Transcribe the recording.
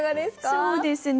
そうですね